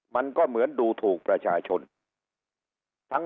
มันก็เหมือนดูถูกประชาชน